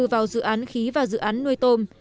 vào dự án khí và dự án nuôi tôm